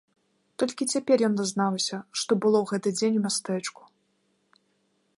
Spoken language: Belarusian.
Толькі цяпер ён дазнаўся, што было ў гэты дзень у мястэчку.